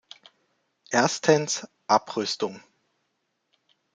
Erstens, Abrüstung.